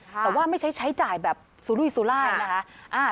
แต่ว่าไม่ใช้ใช้จ่ายแบบสุรุยสุรายนะคะ